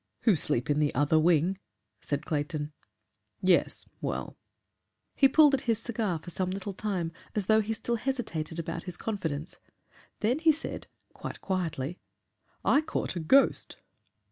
"Who sleep in the other wing," said Clayton. "Yes. Well " He pulled at his cigar for some little time as though he still hesitated about his confidence. Then he said, quite quietly, "I caught a ghost!"